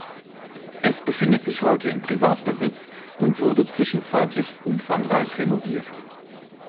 Es befindet sich heute in Privatbesitz und wurde zwischenzeitlich umfangreich renoviert.